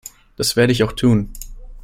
Das werde auch ich tun.